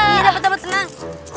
iya dapet dapet tenang